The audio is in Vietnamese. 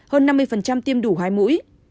hơn năm mươi tiêm đủ hai mũi